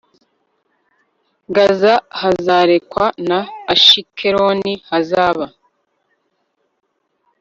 gaza hazarekwa na ashikeloni hazaba